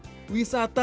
wisata bagi para penonton